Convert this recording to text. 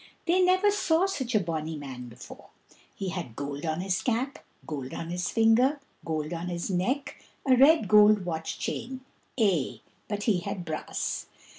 They never saw such a bonny man before. He had gold on his cap, gold on his finger, gold on his neck, a red gold watch chain eh! but he had brass.